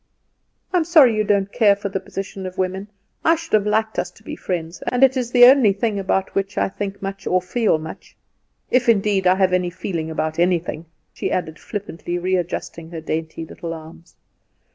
I'm sorry you don't care for the position of women; I should have liked us to be friends; and it is the only thing about which I think much or feel much if, indeed, I have any feeling about anything," she added, flippantly, readjusting her dainty little arms.